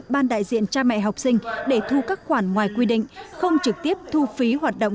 ban đại diện cha mẹ học sinh để thu các khoản ngoài quy định không trực tiếp thu phí hoạt động